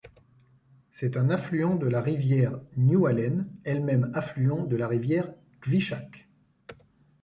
C'est un affluent de la rivière Newhalen, elle-même affluent de la rivière Kvichak.